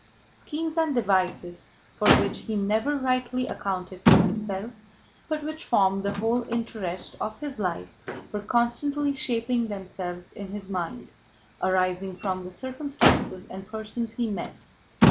Schemes and devices for which he never rightly accounted to himself, but which formed the whole interest of his life, were constantly shaping themselves in his mind, arising from the circumstances and persons he met.